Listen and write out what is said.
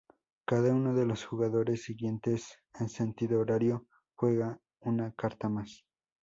Cada uno de los jugadores siguientes, en sentido horario, juega una carta más.